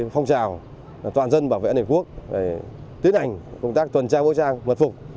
phong trào toàn dân bảo vệ nền quốc tiến hành công tác tuần tra vũ trang mật phục